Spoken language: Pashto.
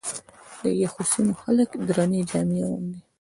د یخو سیمو خلک درنې جامې اغوندي.